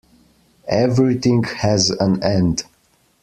Everything has an end.